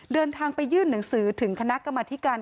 เดินทางไปยื่นหนังสือถึงคณะกรรมธิการ